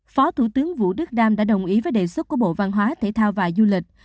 phó thủ tướng vũ đức đam đã đồng ý với đề xuất của bộ văn hóa thể thao và du lịch